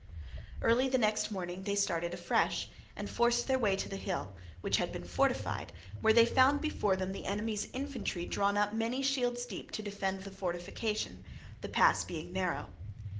Early next morning they started afresh and forced their way to the hill, which had been fortified, where they found before them the enemy's infantry drawn up many shields deep to defend the fortification, the pass being narrow.